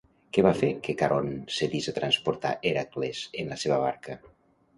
Què va fer que Caront cedís a transportar Hèracles en la seva barca?